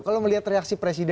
kalau melihat reaksi presiden